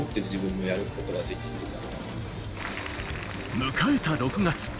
迎えた６月。